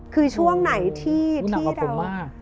คือที่เรารู้หนักของผมมาก